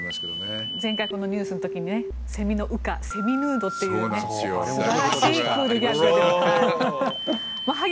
前回のニュースの時セミの羽化セミヌードという素晴らしいクールギャグ。